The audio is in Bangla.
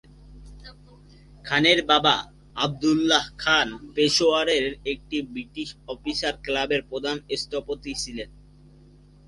খানের বাবা, আবদুল্লাহ খান পেশোয়ারের একটি ব্রিটিশ অফিসার ক্লাবের প্রধান স্থপতি ছিলেন।